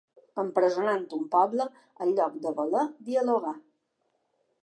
Empresonant un poble en lloc de voler dialogar.